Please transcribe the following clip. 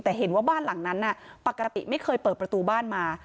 แต่เห็นว่าบ้านหลังนั้นปกติไม่เคยเปิดประตูบ้านมา